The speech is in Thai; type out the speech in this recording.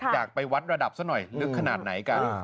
อยากวัดระดับเล็กขนาดไหนกัน